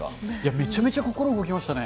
めちゃめちゃ心動きましたね。